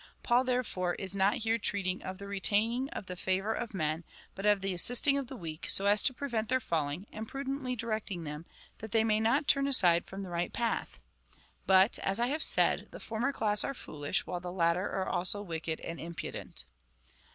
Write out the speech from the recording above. Paul, there fore, is not here treating of the retaining of the favour of men, but of the assisting of the weak, so as to prevent their falling, and prudently directing them, that they may not turn aside from the right path. But (as I have said) the former class are foolish, while the latter are also wicked and impudent.